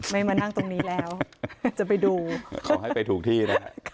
ไม่มานั่งตรงนี้แล้วจะไปดูขอให้ไปถูกที่นะ